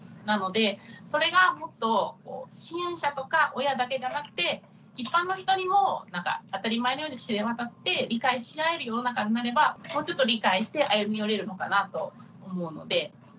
なのでそれがもっと支援者とか親だけじゃなくて一般の人にも当たり前のように知れ渡って理解し合える世の中になればもうちょっと理解して歩み寄れるのかなと思うので。